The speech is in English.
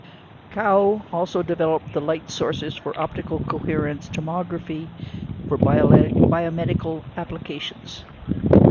Cao also developed the light sources for optical coherence tomography for biomedical applications.